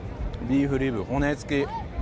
ビーフリブ骨付き。